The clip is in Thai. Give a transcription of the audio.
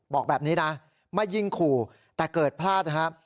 บอกแบบนี้นะมายิงขู่แต่เกิดพลาดนะครับ